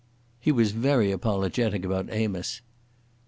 He was very apologetic about Amos.